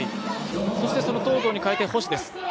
そして、その藤堂に代えて星です。